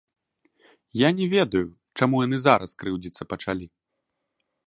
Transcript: Я не ведаю, чаму яны зараз крыўдзіцца пачалі.